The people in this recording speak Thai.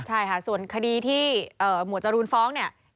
ใช่ค่ะส่วนคดีที่หมวดจรูนฟ้องเนี่ย